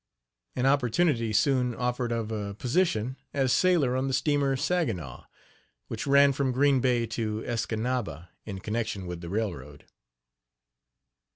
An opportunity soon offered of a position as sailor on the steamer Saginaw, which ran from Green Bay to Escanaba, in connection with the railroad.